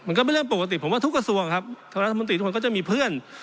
มันก็เป็นเรื่องปกติผมว่าทุกกระทรวงครับทางรัฐมนตรีทุกคนก็จะมีเพื่อน